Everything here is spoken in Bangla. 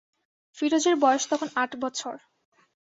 ফিরোজের বয়স তখন আট বছর।